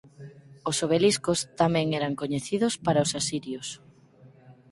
Os obeliscos tamén eran coñecidos para os asirios.